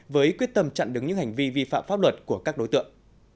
với quyết tâm chặn đứng những hành vi vi phạm pháp luật của các đối tượng